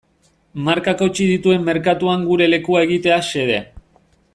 Markak hautsi dituen merkatuan gure lekua egitea xede.